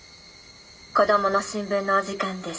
『コドモの新聞』のお時間です」。